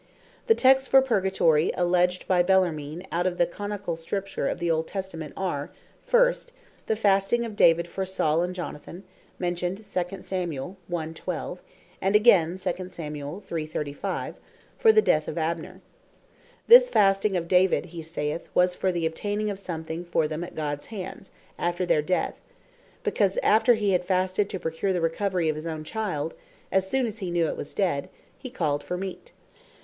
The texts for Purgatory alledged by Bellarmine out of the Canonicall Scripture of the old Testament, are first, the Fasting of David for Saul and Jonathan, mentioned (2 Kings, 1. 12.); and againe, (2 Sam. 3. 35.) for the death of Abner. This Fasting of David, he saith, was for the obtaining of something for them at Gods hands, after their death; because after he had Fasted to procure the recovery of his owne child, assoone as he know it was dead, he called for meate.